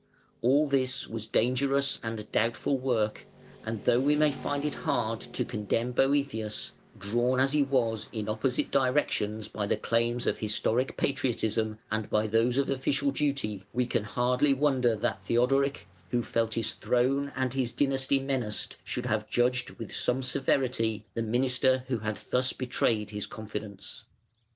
All this was dangerous and doubtful work, and though we may find it hard to condemn Boëthius, drawn as he was in opposite directions by the claims of historic patriotism and by those of official duty, we can hardly wonder that Theodoric, who felt his throne and his dynasty menaced, should have judged with some severity the minister who had thus betrayed his confidence.